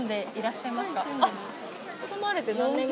住まれて。